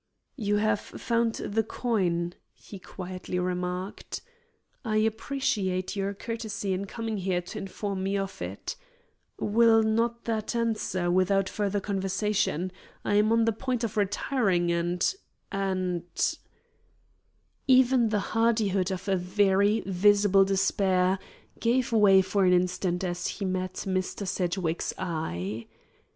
"You have found the coin," he quietly remarked. "I appreciate your courtesy in coming here to inform me of it. Will not that answer, without further conversation? I am on the point of retiring and and " Even the hardihood of a very visible despair gave way for an instant as he met Mr. Sedgwick's eye.